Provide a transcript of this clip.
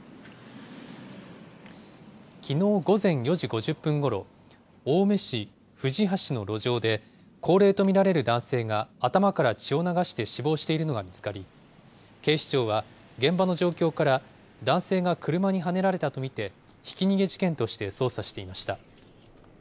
きのう午前４時５０分ごろ、青梅市藤橋の路上で、高齢と見られる男性が頭から血を流して死亡しているのが見つかり、警視庁は、現場の状況から、男性が車にはねられたと見て、ひき逃げ事件として捜査していました。